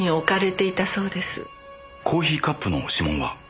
コーヒーカップの指紋は？